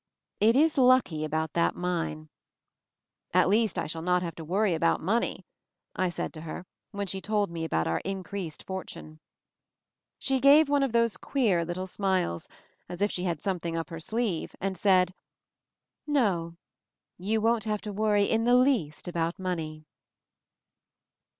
It is lucky about that mine. "At least I shall not have to worry about money," I said to her when she told me about our increased fortune. She gave one of those queer little smiles, as if she had something up her sleeve, and said: "No; you won't have to worry in the about money."